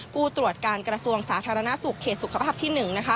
ผู้ตรวจการกระทรวงสาธารณสุขเขตสุขภาพที่๑